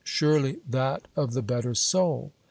Surely that of the better soul.